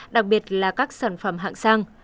đặc biệt là các sản phẩm hạng sang